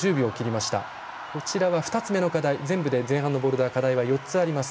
２つ目の課題、全部でボルダー課題は４つあります。